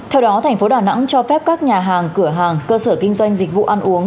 theo đó tp đà nẵng cho phép các nhà hàng cửa hàng cơ sở kinh doanh dịch vụ ăn uống